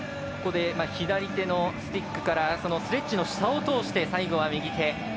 ここで左手のスティックからそのスレッジの下を通して最後は右手。